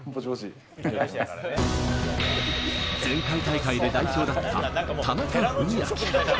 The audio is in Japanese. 前回大会で代表だった田中史朗。